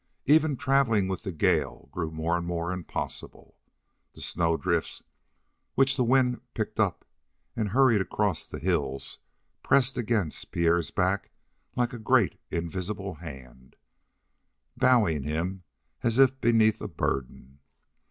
Even traveling with the gale grew more and more impossible. The snowdrifts which the wind picked up and hurried across the hills pressed against Pierre's back like a great, invisible hand, bowing him as if beneath a burden.